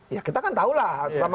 ya kita kan tahulah